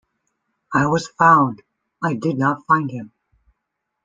I was found; I did not find him.